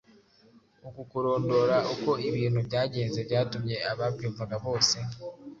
Uku kurondora uko ibintu byagenze byatumye ababyumvaga bose,